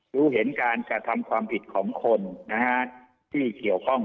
รู้เห็นการกระทำความผิดของคนนะฮะที่เกี่ยวข้อง